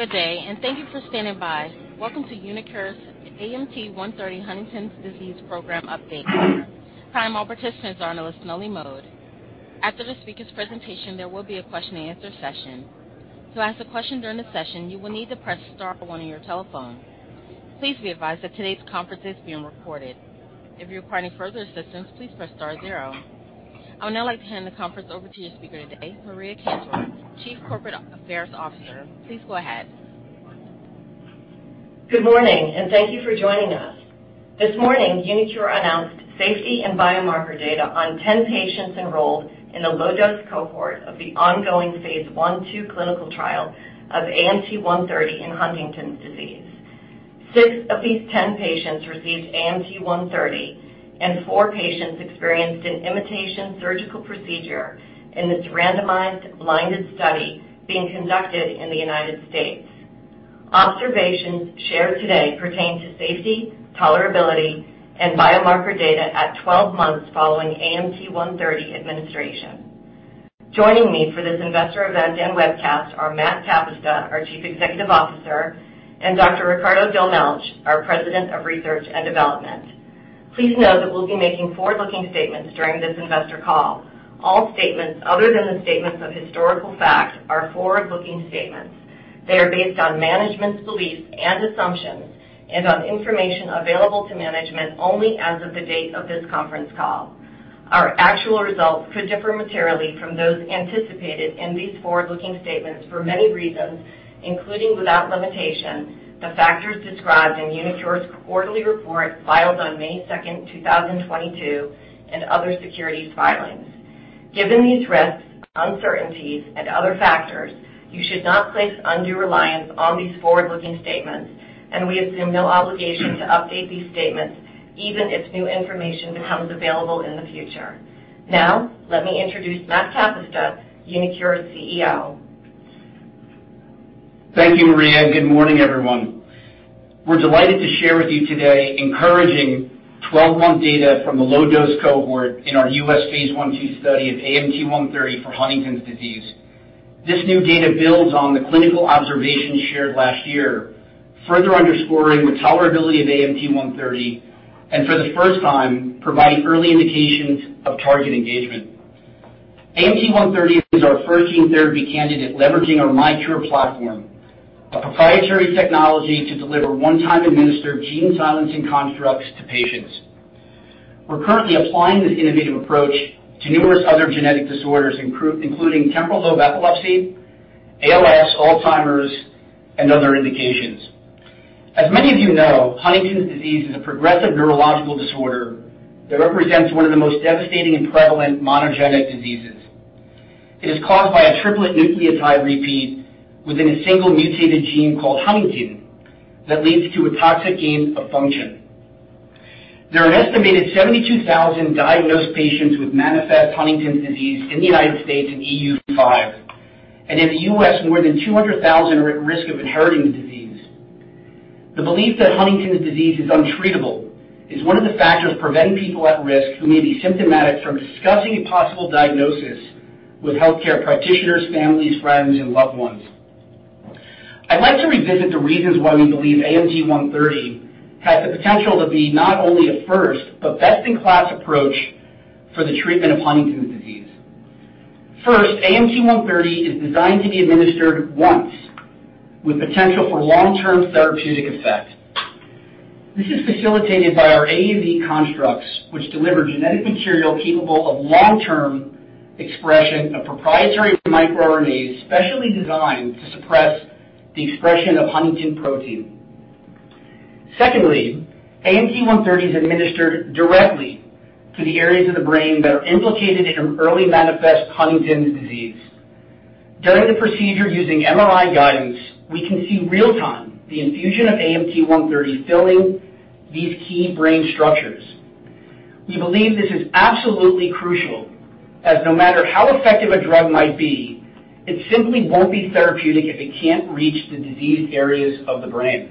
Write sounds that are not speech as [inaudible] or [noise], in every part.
Good day, and thank you for standing by. Welcome to uniQure's AMT-130 Huntington's Disease Program Update. All participants are in a listen-only mode. After the speaker's presentation, there will be a question-and-answer session. To ask a question during the session, you will need to press star one on your telephone. Please be advised that today's conference is being recorded. If you require any further assistance, please press star zero. I would now like to hand the conference over to your speaker today, Maria Cantor, Chief Corporate Affairs Officer. Please go ahead. Good morning, and thank you for joining us. This morning, uniQure announced safety and biomarker data on 10 patients enrolled in a low-dose cohort of the ongoing phase I/II clinical trial of AMT-130 in Huntington's disease. Six of these 10 patients received AMT-130, and four patients experienced a sham surgical procedure in this randomized blinded study being conducted in the United States. Observations shared today pertain to safety, tolerability, and biomarker data at 12-months following AMT-130 administration. Joining me for this investor event and webcast are Matt Kapusta, our Chief Executive Officer, and Dr. Ricardo Dolmetsch, our President of Research and Development. Please note that we'll be making forward-looking statements during this investor call. All statements other than the statements of historical fact are forward-looking statements. They are based on management's beliefs and assumptions and on information available to management only as of the date of this conference call. Our actual results could differ materially from those anticipated in these forward-looking statements for many reasons, including without limitation, the factors described in uniQure's quarterly report filed on May 2, 2022, and other securities filings. Given these risks, uncertainties, and other factors, you should not place undue reliance on these forward-looking statements. We assume no obligation to update these statements even if new information becomes available in the future. Now, let me introduce Matt Kapusta, uniQure's CEO. Thank you, Maria, and good morning, everyone. We're delighted to share with you today encouraging 12-month data from the low dose cohort in our U.S. phase I/II study of AMT-130 for Huntington's disease. This new data builds on the clinical observations shared last year, further underscoring the tolerability of AMT-130 and, for the first time, providing early indications of target engagement. AMT-130 is our first gene therapy candidate leveraging our miQURE platform, a proprietary technology to deliver one-time administered gene silencing constructs to patients. We're currently applying this innovative approach to numerous other genetic disorders, including temporal lobe epilepsy, ALS, Alzheimer's, and other indications. As many of you know, Huntington's disease is a progressive neurological disorder that represents one of the most devastating and prevalent monogenic diseases. It is caused by a triplet nucleotide repeat within a single mutated gene called huntingtin that leads to a toxic gain of function. There are an estimated 72,000 diagnosed patients with manifest Huntington's disease in the United States and EU five. In the U.S., more than 200,000 are at risk of inheriting the disease. The belief that Huntington's disease is untreatable is one of the factors preventing people at risk who may be symptomatic from discussing a possible diagnosis with healthcare practitioners, families, friends, and loved ones. I'd like to revisit the reasons why we believe AMT-130 has the potential to be not only a first, but best-in-class approach for the treatment of Huntington's disease. First, AMT-130 is designed to be administered once with potential for long-term therapeutic effect. This is facilitated by our AAV constructs, which deliver genetic material capable of long-term expression of proprietary microRNAs, specially designed to suppress the expression of huntingtin protein. Secondly, AMT-130 is administered directly to the areas of the brain that are implicated in early manifest Huntington's disease. During the procedure using MRI guidance, we can see real time the infusion of AMT-130 filling these key brain structures. We believe this is absolutely crucial as no matter how effective a drug might be, it simply won't be therapeutic if it can't reach the diseased areas of the brain.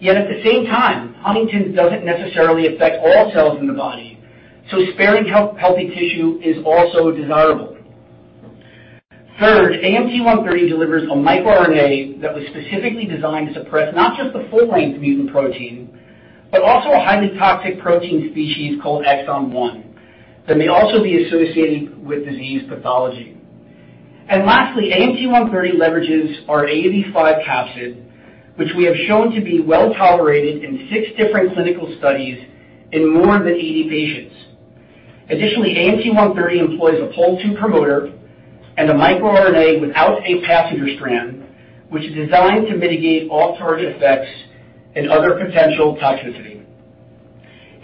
Yet at the same time, Huntington's doesn't necessarily affect all cells in the body, so sparing healthy tissue is also desirable. Third, AMT-130 delivers a microRNA that was specifically designed to suppress not just the full-length mutant protein, but also a highly toxic protein species called exon one that may also be associated with disease pathology. Lastly, AMT-130 leverages our AAV5 capsid, which we have shown to be well tolerated in six different clinical studies in more than 80 patients. Additionally, AMT-130 employs a Pol II promoter and a microRNA without a passenger strand, which is designed to mitigate off-target effects and other potential toxicity.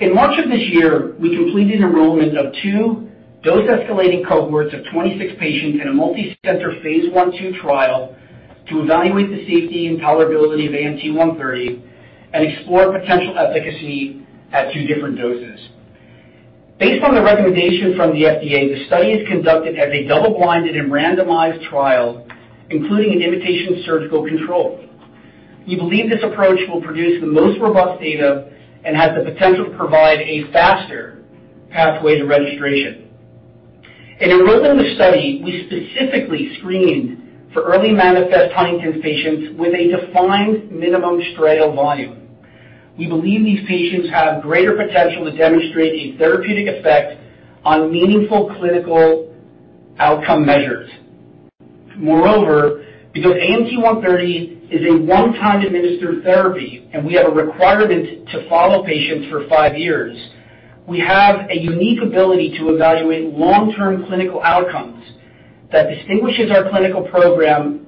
In March of this year, we completed enrollment of two dose-escalating cohorts of 26 patients in a multicenter phase I/II trial to evaluate the safety and tolerability of AMT-130 and explore potential efficacy at two different doses. Based on the recommendation from the FDA, the study is conducted as a double-blinded and randomized trial, including an imitation surgical control. We believe this approach will produce the most robust data and has the potential to provide a faster pathway to registration. In enrolling the study, we specifically screened for early manifest Huntington's patients with a defined minimum striatal volume. We believe these patients have greater potential to demonstrate a therapeutic effect on meaningful clinical outcome measures. Moreover, because AMT-130 is a one-time administered therapy and we have a requirement to follow patients for five years, we have a unique ability to evaluate long-term clinical outcomes that distinguishes our clinical program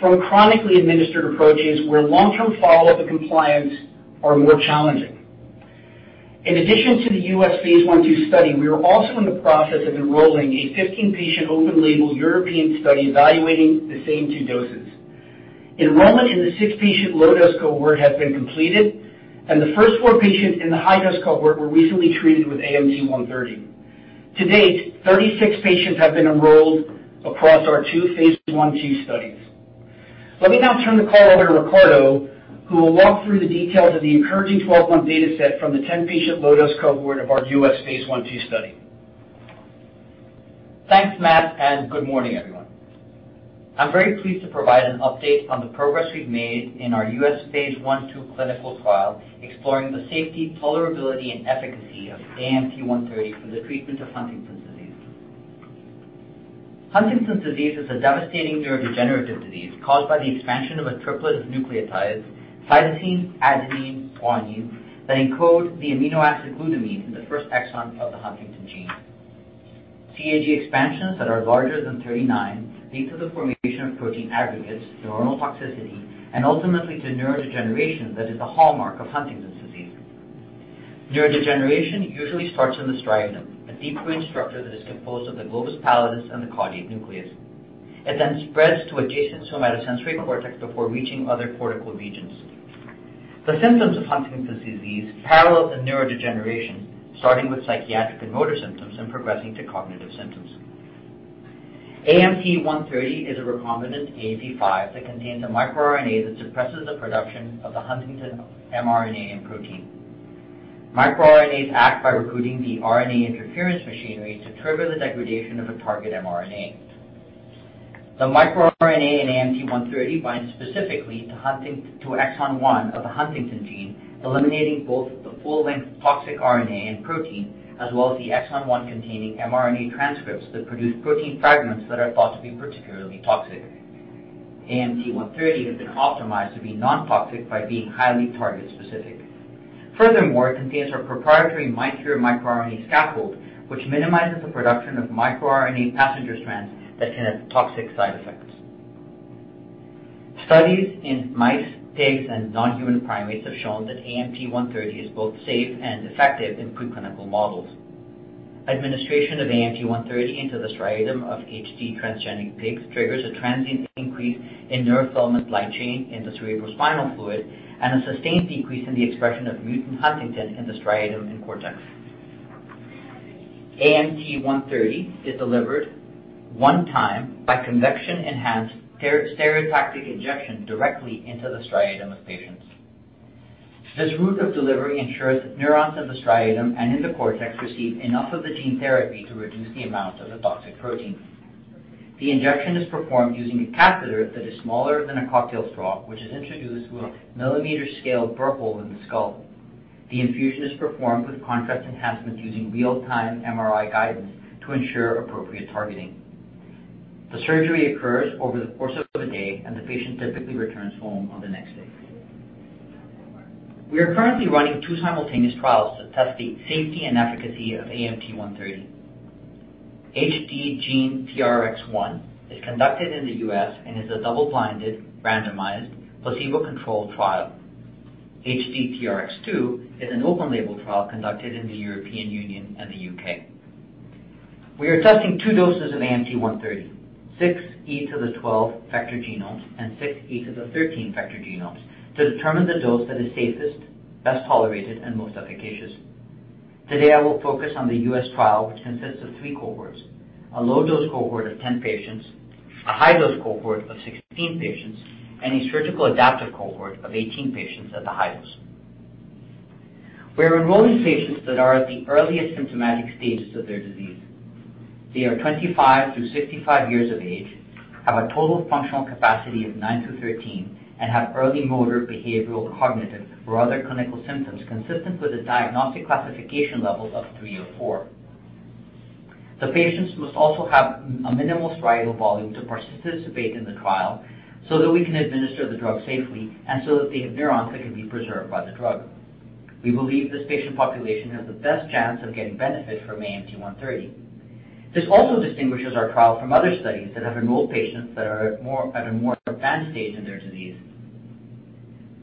from chronically administered approaches where long-term follow-up and compliance are more challenging. In addition to the U.S. phase I/II study, we are also in the process of enrolling a 15-patient open label European study evaluating the same two doses. Enrollment in the six patient low-dose cohort has been completed, and the first four patients in the high-dose cohort were recently treated with AMT-130. To date, 36 patients have been enrolled across our two phase I/II studies. Let me now turn the call over to Ricardo, who will walk through the details of the encouraging 12-month data set from the 10-patient low-dose cohort of our U.S. phase I/II study. Thanks, Matt, and good morning, everyone. I'm very pleased to provide an update on the progress we've made in our U.S. phase I/II clinical trial exploring the safety, tolerability, and efficacy of AMT-130 for the treatment of Huntington's disease. Huntington's disease is a devastating neurodegenerative disease caused by the expansion of a triplet of nucleotides, cytosine, adenine, guanine, that encode the amino acid glutamine in the first exon of the Huntington gene. CAG expansions that are larger than 39 lead to the formation of protein aggregates, neuronal toxicity, and ultimately to neurodegeneration that is the hallmark of Huntington's disease. Neurodegeneration usually starts in the striatum, a deep brain structure that is composed of the globus pallidus and the caudate nucleus. It then spreads to adjacent somatosensory cortex before reaching other cortical regions. The symptoms of Huntington's disease parallel the neurodegeneration, starting with psychiatric and motor symptoms and progressing to cognitive symptoms. AMT-130 is a recombinant AAV5 that contains a microRNA that suppresses the production of the huntingtin mRNA and protein. MicroRNAs act by recruiting the RNA interference machinery to trigger the degradation of a target mRNA. The microRNA in AMT-130 binds specifically to exon one of the huntingtin gene, eliminating both the full-length toxic RNA and protein, as well as the exon one containing mRNA transcripts that produce protein fragments that are thought to be particularly toxic. AMT-130 has been optimized to be non-toxic by being highly target specific. Furthermore, it contains our proprietary miQURE microRNA scaffold, which minimizes the production of microRNA passenger strands that can have toxic side effects. Studies in mice, pigs, and non-human primates have shown that AMT-130 is both safe and effective in preclinical models. Administration of AMT-130 into the striatum of HD transgenic pigs triggers a transient increase in neurofilament light chain in the cerebrospinal fluid and a sustained decrease in the expression of mutant huntingtin in the striatum and cortex. AMT-130 is delivered one time by convection-enhanced stereotactic injection directly into the striatum of patients. This route of delivery ensures that neurons in the striatum and in the cortex receive enough of the gene therapy to reduce the amount of the toxic protein. The injection is performed using a catheter that is smaller than a cocktail straw, which is introduced through a millimeter-scale burr hole in the skull. The infusion is performed with contrast enhancements using real-time MRI guidance to ensure appropriate targeting. The surgery occurs over the course of a day, and the patient typically returns home on the next day. We are currently running two simultaneous trials to test the safety and efficacy of AMT-130. HD-GeneTRX-1 is conducted in the U.S. and is a double-blinded, randomized, placebo-controlled trial. HD-GeneTRX-2 is an open-label trial conducted in the European Union and the U.K. We are testing two doses of AMT-130, 6 × 10^12 vector genomes and 6 × 10^13 vector genomes, to determine the dose that is safest, best tolerated, and most efficacious. Today, I will focus on the U.S. trial, which consists of three cohorts, a low-dose cohort of 10 patients, a high-dose cohort of 16 patients, and a surgical adaptive cohort of 18 patients at the high dose. We are enrolling patients that are at the earliest symptomatic stages of their disease. They are 25-65 years of age, have a Total Functional Capacity of nine to 13, and have early motor, behavioral, cognitive, or other clinical symptoms consistent with a diagnostic classification level of three or four. The patients must also have a minimal striatal volume to participate in the trial so that we can administer the drug safely and so that they have neurons that can be preserved by the drug. We believe this patient population has the best chance of getting benefit from AMT-130. This also distinguishes our trial from other studies that have enrolled patients that are at a more advanced stage in their disease.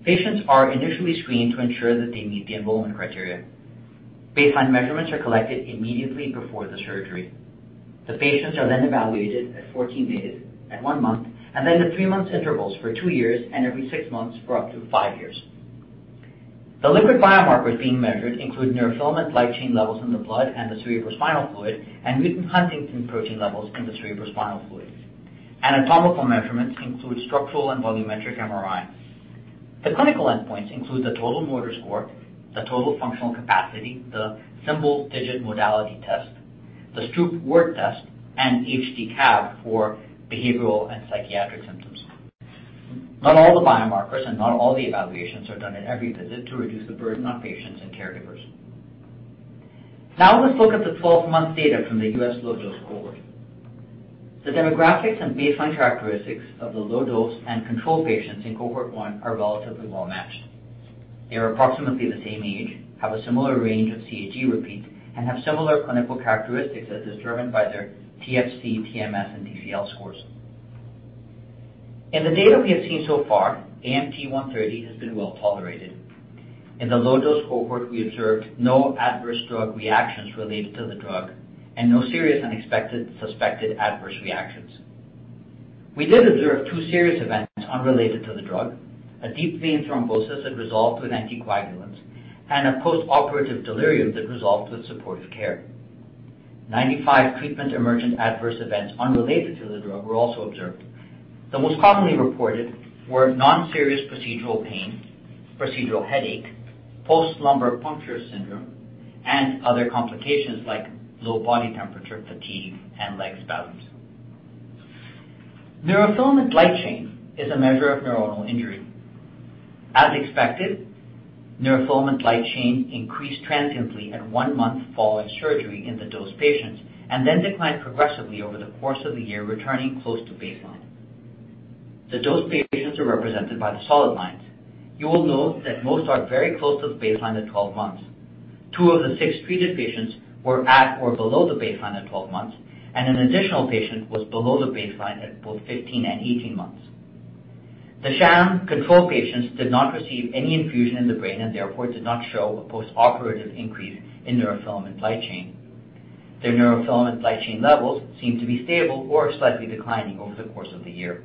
Patients are initially screened to ensure that they meet the enrollment criteria. Baseline measurements are collected immediately before the surgery. The patients are then evaluated at 14 days, at one month, and then at three month intervals for two years and every six months for up to five years. The liquid biomarkers being measured include neurofilament light chain levels in the blood and the cerebrospinal fluid, and mutant huntingtin protein levels in the cerebrospinal fluid. Anatomical measurements include structural and volumetric MRI. The clinical endpoints include the Total Motor Score, the Total Functional Capacity, the Symbol Digit Modalities Test, the Stroop Word Test, and HD-CAB for behavioral and psychiatric symptoms. Not all the biomarkers and not all the evaluations are done at every visit to reduce the burden on patients and caregivers. Now let's look at the 12-month data from the U.S. low-dose cohort. The demographics and baseline characteristics of the low-dose and control patients in cohort 1 are relatively well-matched. They are approximately the same age, have a similar range of CAG repeat, and have similar clinical characteristics as determined by their TFC, TMS, and DCL scores. In the data we have seen so far, AMT-130 has been well tolerated. In the low-dose cohort, we observed no adverse drug reactions related to the drug and no serious unexpected suspected adverse reactions. We did observe two serious events unrelated to the drug, a deep vein thrombosis that resolved with anticoagulants and a postoperative delirium that resolved with supportive care. 95 treatment emergent adverse events unrelated to the drug were also observed. The most commonly reported were non-serious procedural pain, procedural headache, post-lumbar puncture syndrome, and other complications like low body temperature, fatigue, and leg spasms. Neurofilament light chain is a measure of neuronal injury. As expected, neurofilament light chain increased transiently at one month following surgery in the dosed patients and then declined progressively over the course of the year, returning close to baseline. The dosed patients are represented by the solid lines. You will note that most are very close to the baseline at 12 months. Two of the six treated patients were at or below the baseline at 12 months, and an additional patient was below the baseline at both 15 and 18 months. The sham control patients did not receive any infusion in the brain and therefore did not show a postoperative increase in neurofilament light chain. Their neurofilament light chain levels seem to be stable or slightly declining over the course of the year.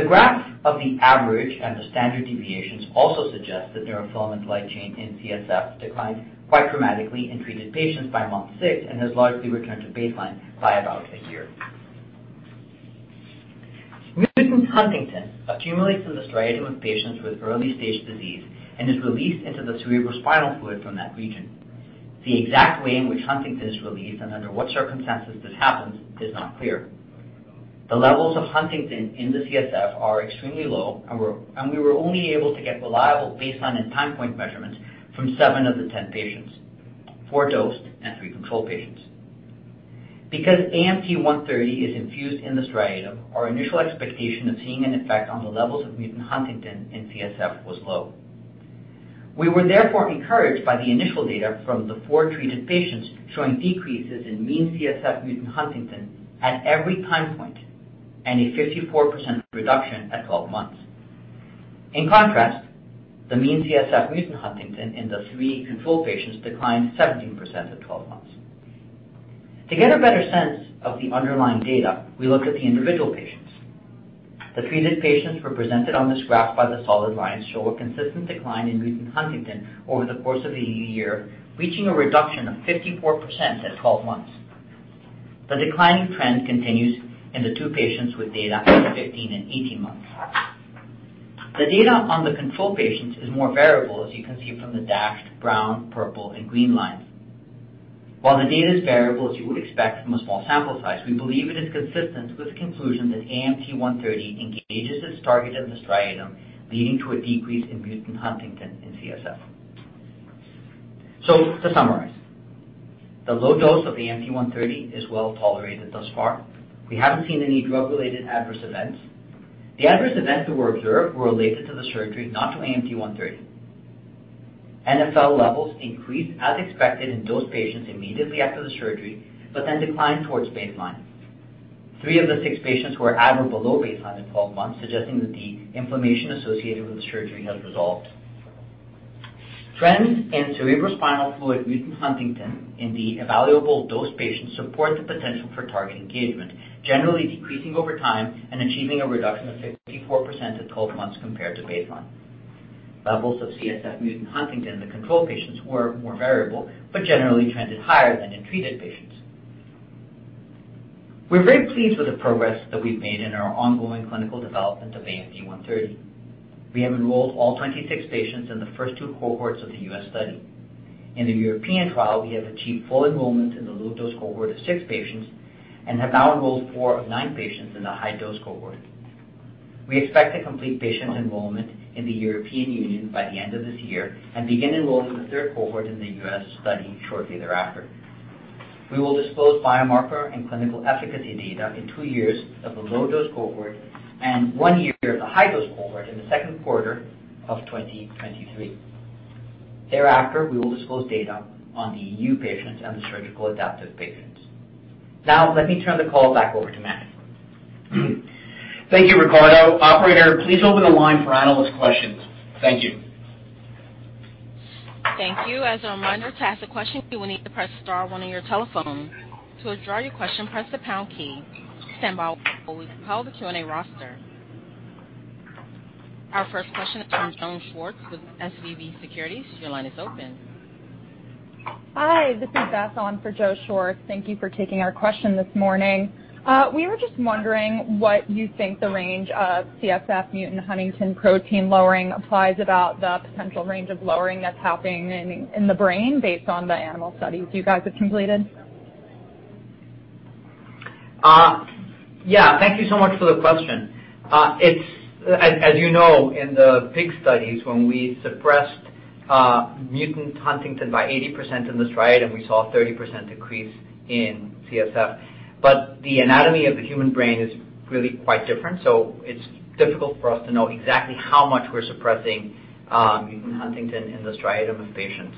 The graph of the average and the standard deviations also suggests that neurofilament light chain in CSF declined quite dramatically in treated patients by month six and has largely returned to baseline by about a year. Mutant huntingtin accumulates in the striatum of patients with early-stage disease and is released into the cerebrospinal fluid from that region. The exact way in which huntingtin is released and under what circumstances this happens is not clear. The levels of huntingtin in the CSF are extremely low, and we were only able to get reliable baseline and time point measurements from seven of the 10 patients, four dosed and three control patients. Because AMT-130 is infused in the striatum, our initial expectation of seeing an effect on the levels of mutant huntingtin in CSF was low. We were therefore encouraged by the initial data from the four treated patients, showing decreases in mean CSF mutant huntingtin at every time point and a 54% reduction at 12 months. In contrast, the mean CSF mutant huntingtin in the three control patients declined 17% at 12 months. To get a better sense of the underlying data, we looked at the individual patients. The treated patients represented on this graph by the solid lines show a consistent decline in mutant huntingtin over the course of the year, reaching a reduction of 54% at 12 months. The declining trend continues in the two patients with data at 15 and 18 months. The data on the control patients is more variable, as you can see from the dashed brown, purple, and green lines. While the data is variable, as you would expect from a small sample size, we believe it is consistent with the conclusion that AMT-130 engages its target in the striatum, leading to a decrease in mutant huntingtin in CSF. To summarize, the low dose of AMT-130 is well tolerated thus far. We haven't seen any drug-related adverse events. The adverse events that were observed were related to the surgery, not to AMT-130. NfL levels increased as expected in dosed patients immediately after the surgery but then declined towards baseline. Three of the six patients were at or below baseline in 12 months, suggesting that the inflammation associated with the surgery has resolved. Trends in cerebrospinal fluid mutant huntingtin in the evaluable dosed patients support the potential for target engagement, generally decreasing over time and achieving a reduction of 54% at 12 months compared to baseline. Levels of CSF mutant huntingtin in the control patients were more variable but generally trended higher than in treated patients. We're very pleased with the progress that we've made in our ongoing clinical development of AMT-130. We have enrolled all 26 patients in the first two cohorts of the U.S. study. In the European trial, we have achieved full enrollment in the low-dose cohort of 6 patients and have now enrolled four of nine patients in the high-dose cohort. We expect to complete patient enrollment in the European Union by the end of this year and begin enrolling the third cohort in the U.S. study shortly thereafter. We will disclose biomarker and clinical efficacy data in two years of the low-dose cohort and one year of the high-dose cohort in the second quarter of 2023. Thereafter, we will disclose data on the EU patients and the surgical adaptive patients. Now let me turn the call back over to Matt. Thank you, Ricardo. Operator, please open the line for analyst questions. Thank you. Thank you. As a reminder, to ask a question, you will need to press star one on your telephone. To withdraw your question, press the pound key. Standby while we compile the Q&A roster. Our first question is from Joseph Schwartz with SVB Securities. Your line is open. Hi, this is Beth on for Joseph Schwartz. Thank you for taking our question this morning. We were just wondering what you think the range of CSF mutant huntingtin protein lowering implies about the potential range of lowering that's happening in the brain based on the animal studies you guys have completed. Yeah. Thank you so much for the question. It's as you know, in the pig studies when we suppressed mutant huntingtin by 80% in the striatum, we saw a 30% decrease in CSF. The anatomy of the human brain is really quite different, so it's difficult for us to know exactly how much we're suppressing mutant huntingtin in the striatum of patients.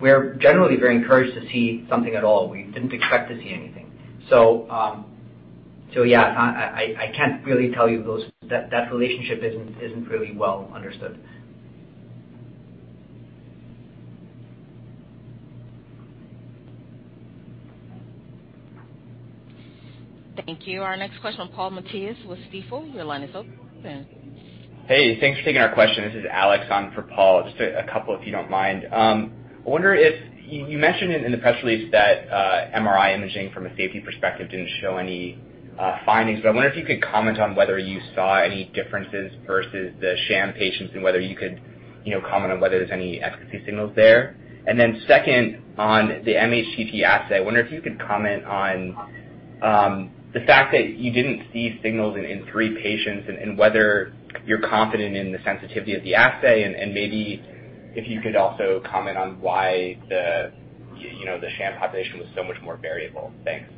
We're generally very encouraged to see something at all. We didn't expect to see anything. Yeah, I can't really tell you those. That relationship isn't really well understood. Thank you. Our next question from Paul Matteis with Stifel. Your line is open. Hey, thanks for taking our question. This is Alex on for Paul. Just a couple, if you don't mind. I wonder if you mentioned in the press release that MRI imaging from a safety perspective didn't show any findings, but I wonder if you could comment on whether you saw any differences versus the sham patients and whether you could, you know, comment on whether there's any efficacy signals there. Then second, on the mHTT assay, I wonder if you could comment on the fact that you didn't see signals in three patients and whether you're confident in the sensitivity of the assay. And maybe if you could also comment on why the, you know, the sham population was so much more variable. Thanks.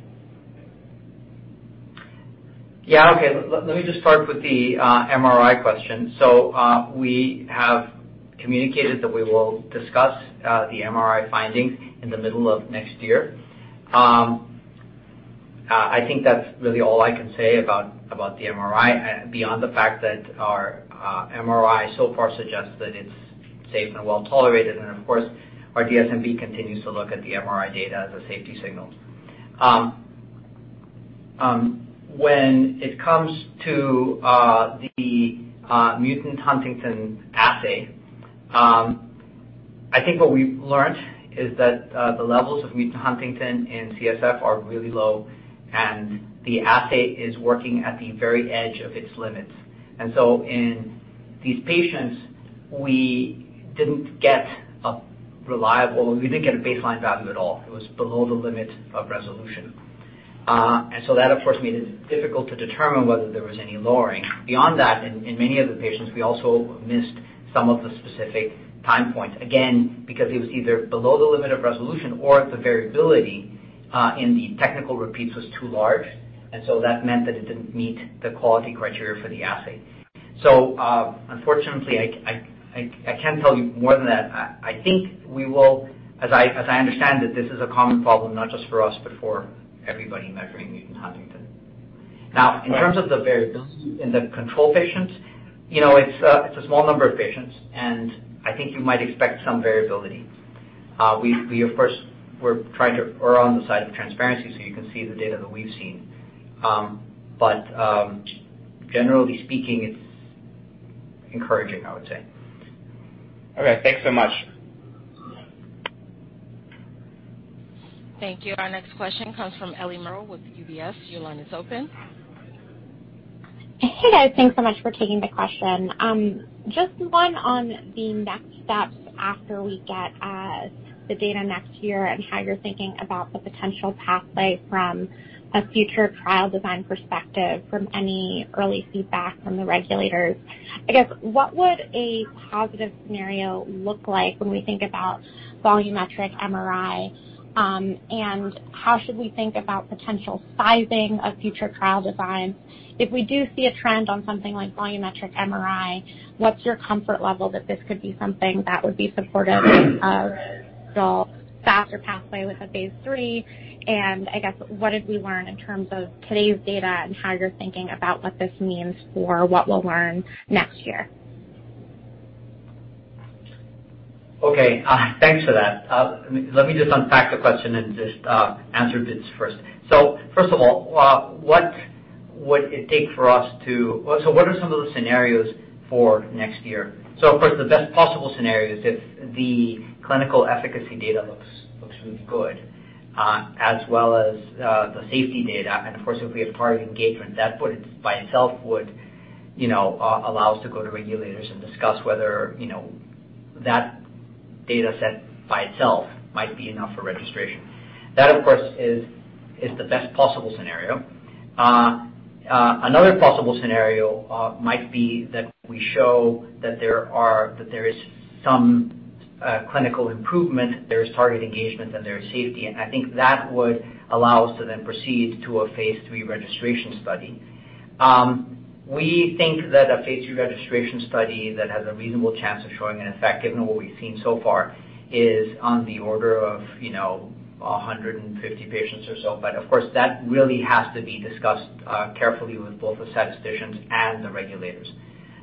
Yeah. Okay. Let me just start with the MRI question. We have communicated that we will discuss the MRI findings in the middle of next year. I think that's really all I can say about the MRI beyond the fact that our MRI so far suggests that it's safe and well-tolerated. Of course, our DSMB continues to look at the MRI data as a safety signal. When it comes to the mutant huntingtin assay, I think what we've learned is that the levels of mutant huntingtin in CSF are really low, and the assay is working at the very edge of its limits. In these patients, we didn't get a baseline value at all. It was below the limit of resolution. That, of course, made it difficult to determine whether there was any lowering. Beyond that, in many of the patients we also missed some of the specific time points, again, because it was either below the limit of resolution or the variability in the technical repeats was too large. That meant that it didn't meet the quality criteria for the assay. Unfortunately, I can't tell you more than that. As I understand it, this is a common problem, not just for us, but for everybody measuring mutant huntingtin. Now, in terms of the variability in the control patients, you know, it's a small number of patients, and I think you might expect some variability. We're on the side of transparency, so you can see the data that we've seen. Generally speaking, it's encouraging, I would say. Okay, thanks so much. Thank you. Our next question comes from Eliana Merle with UBS. Your line is open. Hey, guys. Thanks so much for taking the question. Just one on the next steps after we get the data next year and how you're thinking about the potential pathway from a future trial design perspective from any early feedback from the regulators. I guess, what would a positive scenario look like when we think about volumetric MRI and how should we think about potential sizing of future trial designs? If we do see a trend on something like volumetric MRI, what's your comfort level that this could be something that would be supportive of a faster pathway with a phase III? I guess, what did we learn in terms of today's data and how you're thinking about what this means for what we'll learn next year? Okay. Thanks for that. Let me just unpack the question and just answer bits first. First of all, what are some of the scenarios for next year? Of course, the best possible scenario is if the clinical efficacy data looks really good, as well as the safety data and of course if we have target engagement. That would, by itself, you know, allow us to go to regulators and discuss whether, you know, that data set by itself might be enough for registration. That, of course, is the best possible scenario. Another possible scenario might be that we show that there is some clinical improvement, there is target engagement, and there is safety. I think that would allow us to then proceed to a phase III registration study. We think that a phase III registration study that has a reasonable chance of showing an effect, given what we've seen so far, is on the order of, you know, 150 patients or so. Of course, that really has to be discussed carefully with both the statisticians and the regulators.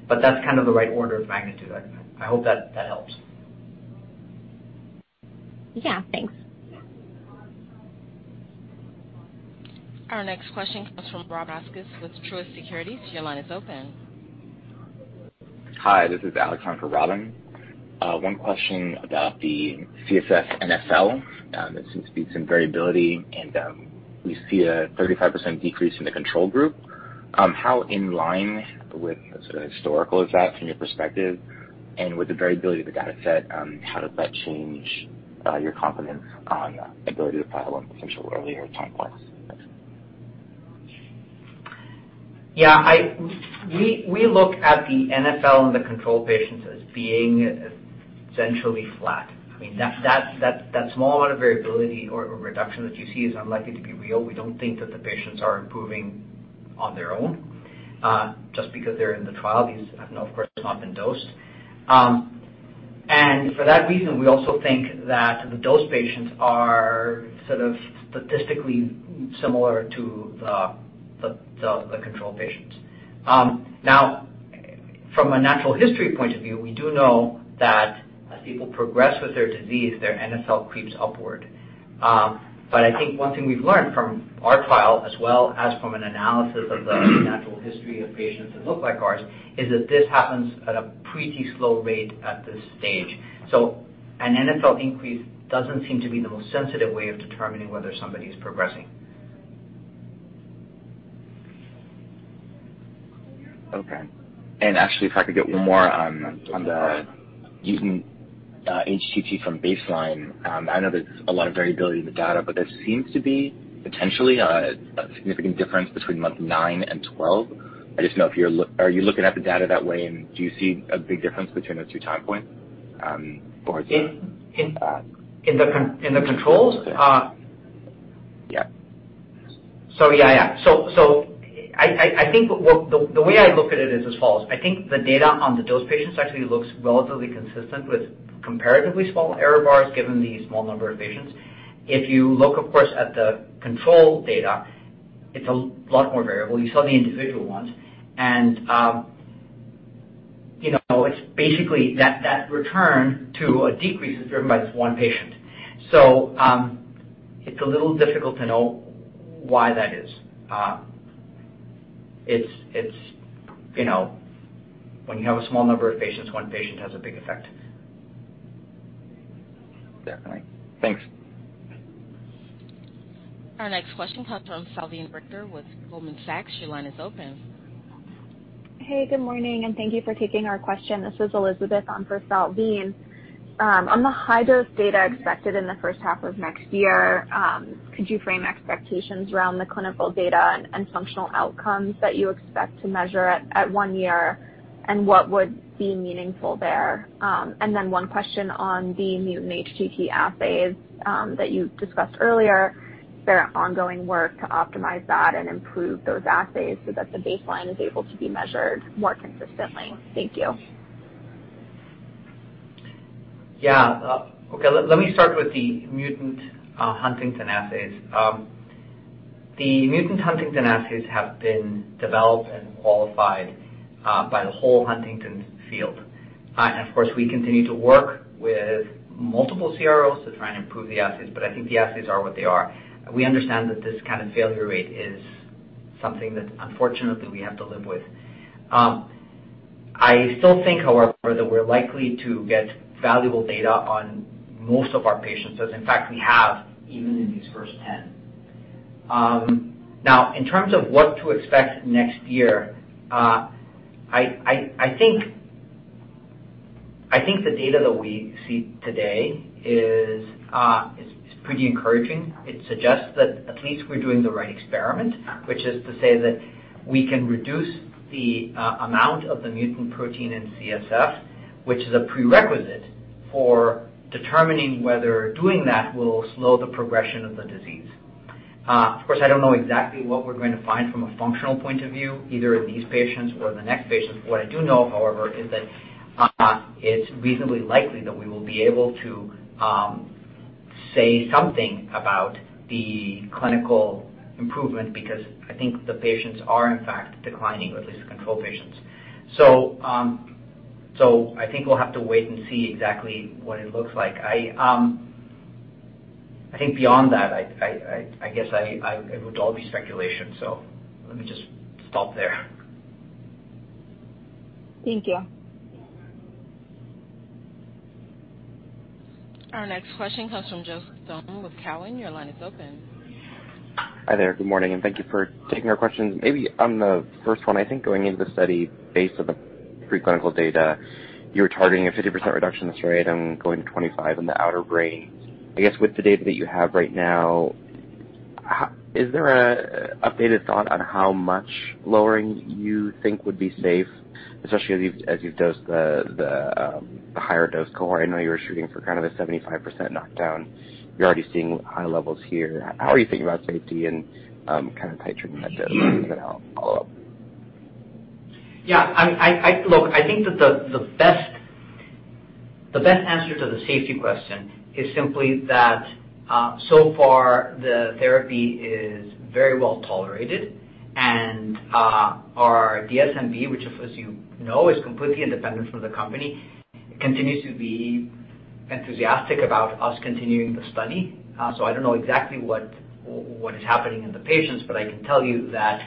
That's kind of the right order of magnitude. I hope that helps. Yeah. Thanks. Our next question comes from Robyn Karnauskas with Truist Securities. Your line is open. Hi, this is Alex on for Robyn. One question about the CSF NfL. It seems to be some variability, and we see a 35% decrease in the control group. How in line with sort of historical is that from your perspective and with the variability of the dataset, how does that change your confidence on ability to file on potential earlier time points? Yeah. We look at the NfL and the control patients as being essentially flat. I mean, that small amount of variability or reduction that you see is unlikely to be real. We don't think that the patients are improving on their own, just because they're in the trial. These have, of course, not been dosed. For that reason, we also think that the dose patients are sort of statistically similar to the control patients. Now from a natural history point of view, we do know that as people progress with their disease, their NfL creeps upward. I think one thing we've learned from our trial, as well as from an analysis of the natural history of patients that look like ours, is that this happens at a pretty slow rate at this stage. An NfL increase doesn't seem to be the most sensitive way of determining whether somebody's progressing. Okay. Actually, if I could get one more on the mutant HTT from baseline. I know there's a lot of variability in the data, but there seems to be potentially a significant difference between month nine and 12. Are you looking at the data that way, and do you see a big difference between those two time points for the- In the controls? Yeah. I think the way I look at it is as follows: I think the data on the dose patients actually looks relatively consistent with comparatively small error bars given the small number of patients. If you look, of course, at the control data, it's a lot more variable. You saw the individual ones. You know, it's basically that return to a decrease is driven by this one patient. It's a little difficult to know why that is. You know, when you have a small number of patients, one patient has a big effect. Definitely. Thanks. Our next question comes from Salveen Richter with Goldman Sachs. Your line is open. Hey, good morning, and thank you for taking our question. This is Elizabeth on for Salveen. On the high dose data expected in the first half of next year, could you frame expectations around the clinical data and functional outcomes that you expect to measure at one year, and what would be meaningful there? One question on the mutant HTT assays that you discussed earlier, is there ongoing work to optimize that and improve those assays so that the baseline is able to be measured more consistently? Thank you. Yeah. Okay. Let me start with the mutant huntingtin assays. The mutant huntingtin assays have been developed and qualified by the whole Huntington field. Of course, we continue to work with multiple CROs to try and improve the assays, but I think the assays are what they are. We understand that this kind of failure rate is something that, unfortunately, we have to live with. I still think, however, that we're likely to get valuable data on most of our patients as in fact we have even in these first 10. Now, in terms of what to expect next year, I think the data that we see today is pretty encouraging. It suggests that at least we're doing the right experiment, which is to say that we can reduce the amount of the mutant protein in CSF, which is a prerequisite for determining whether doing that will slow the progression of the disease. Of course, I don't know exactly what we're going to find from a functional point of view, either in these patients or the next patients. What I do know, however, is that it's reasonably likely that we will be able to say something about the clinical improvement because I think the patients are in fact declining or at least the control patients. I think we'll have to wait and see exactly what it looks like. I think beyond that, I guess it would all be speculation. Let me just stop there. Thank you. Our next question comes from Joseph Thome with Cowen. Your line is open. Hi there. Good morning, and thank you for taking our questions. Maybe on the first one, I think going into the study based on the preclinical data, you were targeting a 50% reduction in CSF mHTT and going to 25 in the putamen. I guess with the data that you have right now, how is there an updated thought on how much lowering you think would be safe, especially as you've dosed the higher dose cohort? I know you were shooting for kind of a 75% knockdown. You're already seeing high levels here. How are you thinking about safety and kind of titrating that dose? And then I'll follow up. Yeah. Look, I think that the best answer to the safety question is simply that so far the therapy is very well tolerated and our DSMB, which of course you know, is completely independent from the company, continues to be enthusiastic about us continuing the study. I don't know exactly what is happening in the patients, but I can tell you that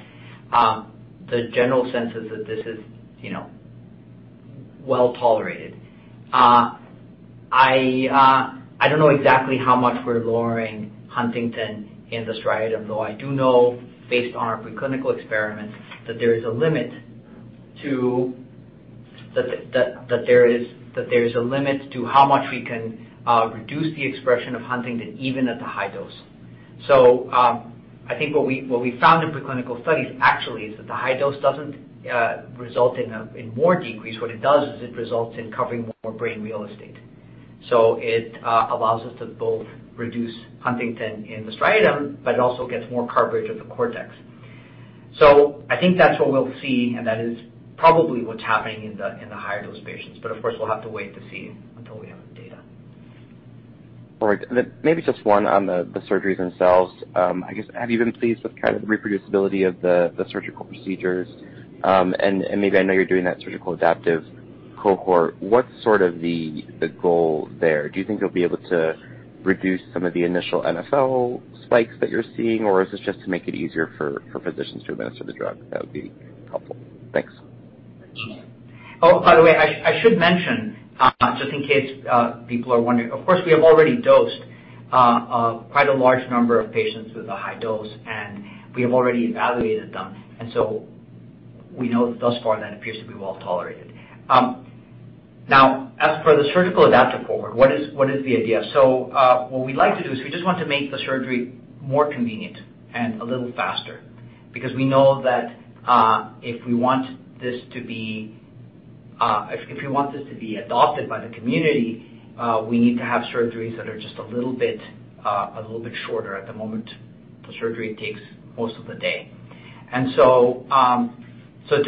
the general sense is that this is, you know, well tolerated. I don't know exactly how much we're lowering huntingtin in the striatum, though I do know based on our preclinical experiments that there is a limit to how much we can reduce the expression of huntingtin even at the high dose. I think what we found in preclinical studies actually is that the high dose doesn't result in more decrease. What it does is it results in covering more brain real estate. It allows us to both reduce huntingtin in the striatum, but it also gets more coverage of the cortex. I think that's what we'll see, and that is probably what's happening in the higher dose patients. Of course, we'll have to wait to see until we have the data. All right. Maybe just one on the surgeries themselves. I guess, have you been pleased with kind of the reproducibility of the surgical procedures? Maybe I know you're doing that surgical adaptive cohort. What's sort of the goal there? Do you think you'll be able to reduce some of the initial NfL spikes that you're seeing? Or is this just to make it easier for physicians to administer the drug? That would be helpful. Thanks. Oh, by the way, I should mention, just in case, people are wondering, of course, we have already dosed quite a large number of patients with a high dose, and we have already evaluated them. We know thus far that appears to be well tolerated. Now, as for the surgical adaptive cohort, what is the idea? What we like to do is we just want to make the surgery more convenient and a little faster because we know that, if we want this to be adopted by the community, we need to have surgeries that are just a little bit shorter. At the moment, the surgery takes most of the day. To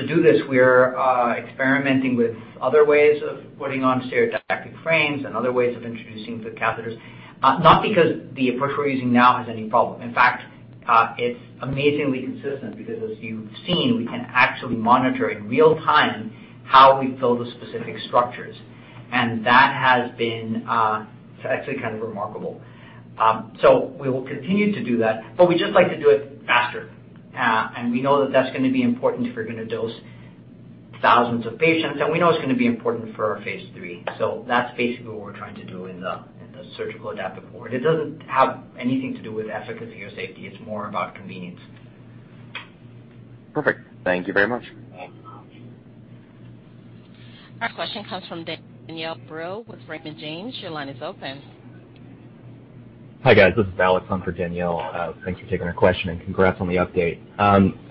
do this, we're experimenting with other ways of putting on stereotactic frames and other ways of introducing the catheters, not because the approach we're using now has any problem. In fact, it's amazingly consistent because as you've seen, we can actually monitor in real time how we fill the specific structures. That has been, it's actually kind of remarkable. We will continue to do that, but we just like to do it faster. We know that that's gonna be important if we're gonna dose thousands of patients, and we know it's gonna be important for our phase III. That's basically what we're trying to do in the surgical adaptive cohort. It doesn't have anything to do with efficacy or safety. It's more about convenience. Perfect. Thank you very much. Our question comes from Danielle Brill with Raymond James. Your line is open. Hi, guys. This is [inaudible] on for Danielle Brill. Thanks for taking our question, and congrats on the update.